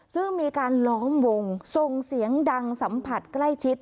ซึ่งมีการล้อมวงส่งเสียงดังสัมผัสใกล้ชิด